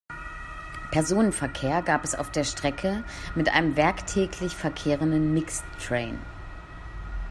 Personenverkehr gab es auf der Strecke mit einem werktäglich verkehrenden Mixed Train.